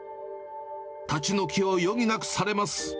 立ち退きを余儀なくされます。